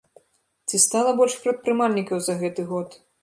Ці стала больш прадпрымальнікаў за гэты год?